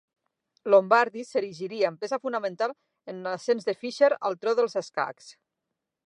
Lombardy s'erigiria en peça fonamental en l'ascens de Fischer al tro dels escacs.